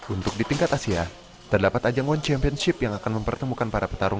untuk di tingkat asia terdapat ajang one championship yang akan mempertemukan para petarung